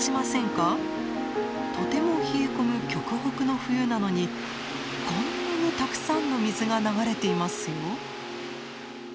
とても冷え込む極北の冬なのにこんなにたくさんの水が流れていますよ。